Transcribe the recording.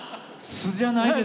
素じゃないです